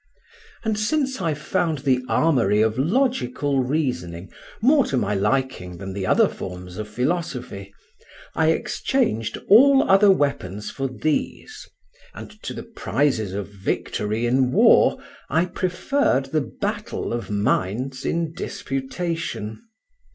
And since I found the armory of logical reasoning more to my liking than the other forms of philosophy, I exchanged all other weapons for these, and to the prizes of victory in war I preferred the battle of minds in disputation.